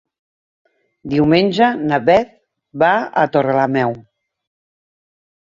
Diumenge na Beth va a Torrelameu.